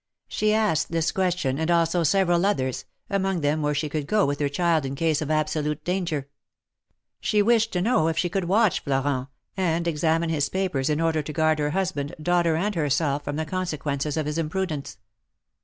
She asked this question, and also several others, among them where she could go with her child in case of absolute danger. She wished to know if she could watch Florent, and examine his papers in order to guard her husband, daughter and herself from the con sequences of his imprudence.